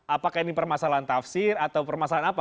apakah ini permasalahan tafsir atau permasalahan apa